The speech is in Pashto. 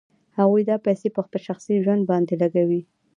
هغوی دا پیسې په خپل شخصي ژوند باندې لګوي